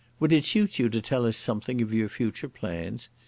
Would it suit you to tell us something of your future plans?